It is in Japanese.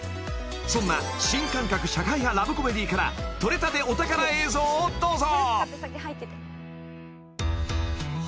［そんな新感覚社会派ラブコメディーから撮れたてお宝映像をどうぞ］